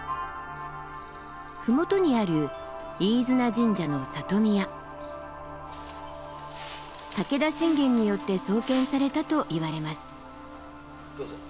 麓にある武田信玄によって創建されたといわれます。